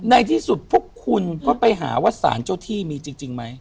ในที่สุดพวกคุณก็ไปหาว่าสารเจ้าที่มีจริงไหม